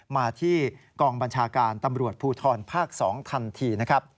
มาที่กองบัญชาการตำรวจภูทรภาค๒ทันทีนะครับ